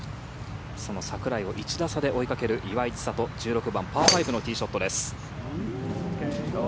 その櫻井を１打差で追いかける岩井千怜１６番、パー５のティーショットです。